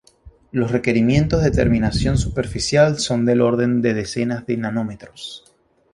Los requerimientos de terminación superficial son del orden de decenas de nanómetros.